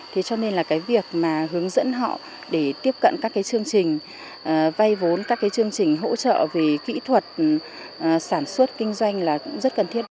thế cho nên là cái việc mà hướng dẫn họ để tiếp cận các cái chương trình vay vốn các cái chương trình hỗ trợ về kỹ thuật sản xuất kinh doanh là cũng rất cần thiết